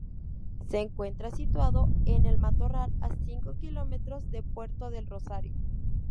Se encuentra situado en El Matorral, a cinco kilómetros de Puerto del Rosario.